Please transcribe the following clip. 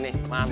wah mantap be